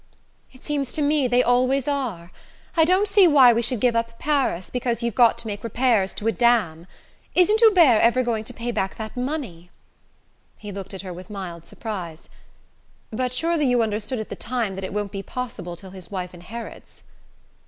"It seems to me they always are. I don't see why we should give up Paris because you've got to make repairs to a dam. Isn't Hubert ever going to pay back that money?" He looked at her with a mild surprise. "But surely you understood at the time that it won't be possible till his wife inherits?"